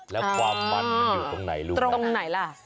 แล้วความมันมันอยู่ตรงไหนลูกตรงไหนล่ะ